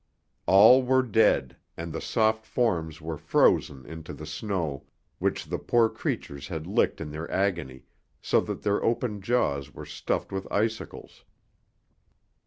All were dead, and the soft forms were frozen into the snow, which the poor creatures had licked in their agony, so that their open jaws were stuffed with icicles.